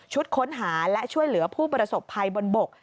ค้นหาและช่วยเหลือผู้ประสบภัยบนบก